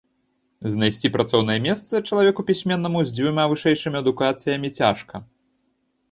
Знайсці працоўнае месца чалавеку пісьменнаму, з дзвюма вышэйшымі адукацыямі цяжка.